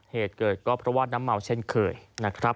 เหตุเกิดก็เพราะว่าน้ำเมาเช่นเคยนะครับ